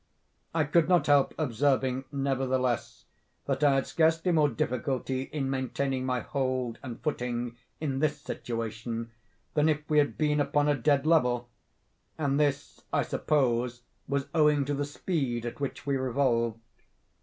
I could not help observing, nevertheless, that I had scarcely more difficulty in maintaining my hold and footing in this situation, than if we had been upon a dead level; and this, I suppose, was owing to the speed at which we revolved.